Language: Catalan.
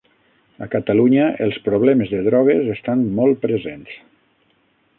A Catalunya els problemes de drogues estan molt presents.